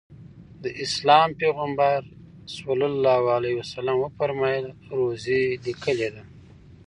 د اسلام پیغمبر ص وفرمایل روزي لیکلې ده.